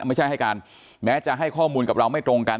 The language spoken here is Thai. ไม่ใช่ให้กันแม้จะให้ข้อมูลกับเราไม่ตรงกัน